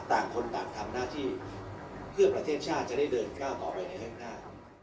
ต่างคนต่างทำหน้าที่เพื่อประเทศชาติจะได้เดินก้าวต่อไปในข้างหน้า